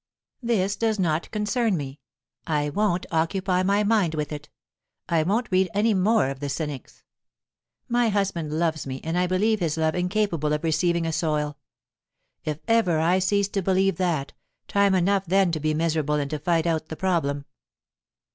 "This does not concern me; I won't occupy my mind with it; I won't read any more of the cynics. My husband loves me, and I believe his love incapable of receiving a soil. If ever I cease to believe that, time enough then to be miserable and to fight out the problem."